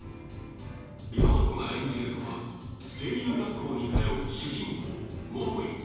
大和が演じるのは声優学校に通う主人公桃井蕾